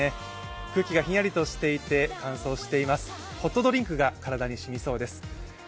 空気がひんやりとしていて乾燥しています、ホットドリンクが体にしみそうです。